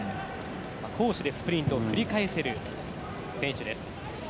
攻守でスプリントを繰り返せる選手です。